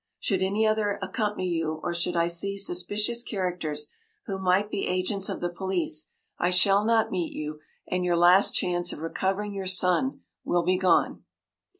“Should any other accompany you, or should I see suspicious characters who might be agents of the police, I shall not meet you, and your last chance of recovering your son will be gone.